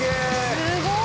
すごーい！